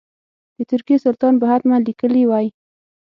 د ترکیې سلطان به حتما لیکلي وای.